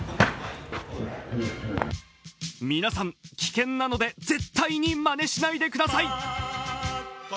皆さん、危険なので絶対にまねしないでください。